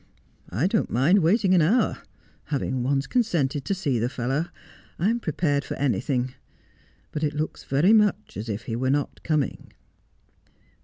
' I don't mind waiting an hour. Having once consented to see the fellow, I am prepared for anything : but it looks very much as if he were not coming.'